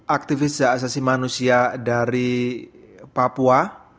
aktivis asasi manusia dari papua